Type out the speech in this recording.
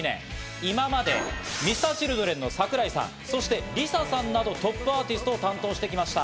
今までＭｒ．Ｃｈｉｌｄｒｅｎの桜井さん、そしてＬｉＳＡさんなどトップアーティストを担当してきました。